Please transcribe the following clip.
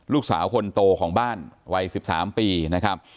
ลูกสาวคนโตของบ้านวัย๑๓ปีนะครับ